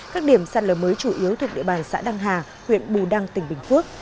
các điểm sạt lở mới chủ yếu thuộc địa bàn xã đăng hà huyện bù đăng tỉnh bình phước